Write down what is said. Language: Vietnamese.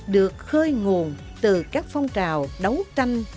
được khơi nguồn từ các phong trào đấu tranh